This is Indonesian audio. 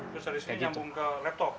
dari sini nyambung ke laptop